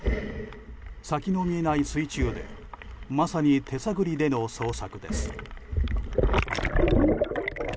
先の見えない水中でまさに手探りでの捜索です。